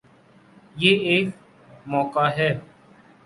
یہ ایک موقع ہے۔